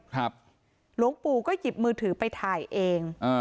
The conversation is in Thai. หลวงปู่ก็หยิบมือถือไปถ่ายเองอ่า